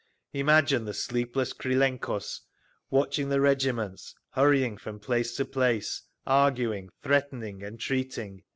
Imagine the sleepless Krylenkos, watching the regiments, hurrying from place to place, arguing, threatening, entreating.